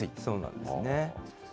そうなんですね。